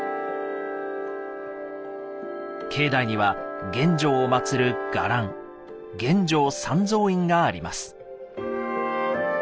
境内には玄奘を祀る伽藍「玄奘三蔵院」があります。